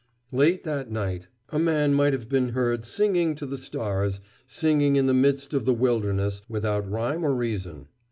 Late that night a man might have been heard singing to the stars, singing in the midst of the wilderness, without rhyme or reason.